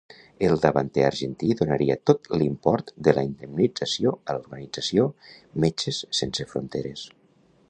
El davanter argentí donaria tot l'import de la indemnització a l'organització Metges Sense Fronteres.